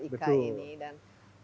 ika ini dan